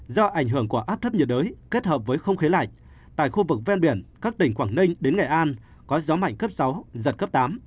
do ảnh hưởng của áp thấp nhiệt đới kết hợp với không khí lạnh tại khu vực ven biển các tỉnh quảng ninh đến nghệ an có gió mạnh cấp sáu giật cấp tám